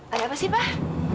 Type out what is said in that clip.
ada apa sih pak